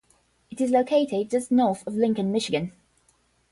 It is located just north of Lincoln, Michigan.